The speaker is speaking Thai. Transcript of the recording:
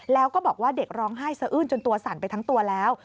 แล้วก็บอกว่าเด็กร้องไห้สะอื้นจนตัวสั่นไปทั้งตัวแล้ว